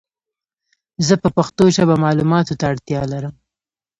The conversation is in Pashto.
زه په پښتو ژبه مالوماتو ته اړتیا لرم